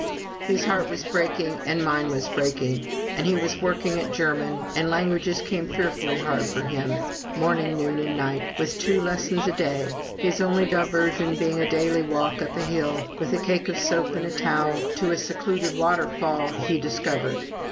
His heart was breaking, and mine was breaking, and he was working at German (and languages came fearfully hard for him) morning, afternoon, and night, with two lessons a day, his only diversion being a daily walk up a hill, with a cake of soap and a towel, to a secluded waterfall he discovered.